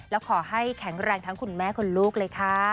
แล้วขอให้แข็งแรงทั้งคุณแม่คุณลูกเลยค่ะ